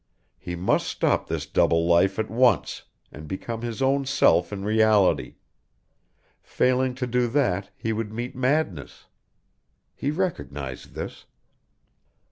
He must stop this double life at once and become his own self in reality; failing to do that he would meet madness. He recognised this.